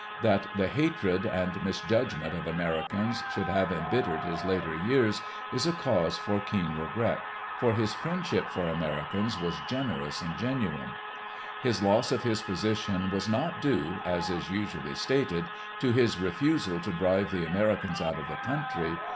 That the hatred and misjudg ment of Americans should have embittered his later years is a cause for keen regret, for his friendship for Americans was generous and genuine. His loss of his position was not due, as is usually stated, to his refusal to drive the Americans out of the country.